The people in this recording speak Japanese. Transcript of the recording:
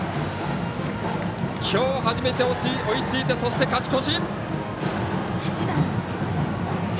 今日初めて追いついてそして勝ち越し！